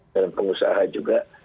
dan pengusaha juga